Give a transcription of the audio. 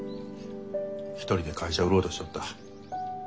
一人で会社売ろうとしとった。